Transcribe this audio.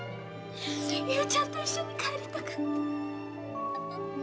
雄ちゃんと一緒に帰りたかった。